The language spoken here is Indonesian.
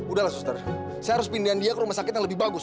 udah lah suster saya harus pindahin dia ke rumah sakit yang lebih bagus